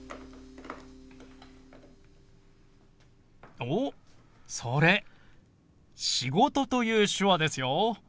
おっそれ「仕事」という手話ですよ。